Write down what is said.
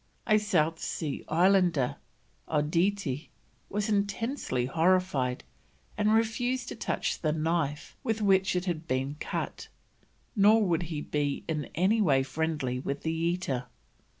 A South Sea Islander, Odidie, was intensely horrified, and refused to touch the knife with which it had been cut, nor would he be in any way friendly with the eater.